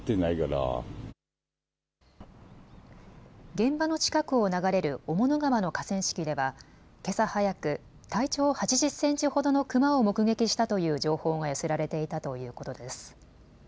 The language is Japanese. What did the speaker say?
現場の近くを流れる雄物川の河川敷ではけさ早く体長８０センチほどのクマを目撃したという情報が寄せられていたということです。